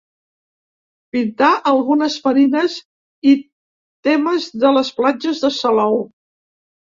Pintà algunes marines i temes de les platges de Salou.